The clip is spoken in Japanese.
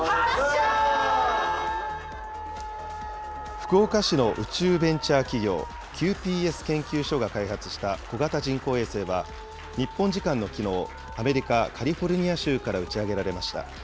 福岡市の宇宙ベンチャー企業、ＱＰＳ研究所が開発した小型人工衛星は、日本時間のきのう、アメリカ・カリフォルニア州から打ち上げられました。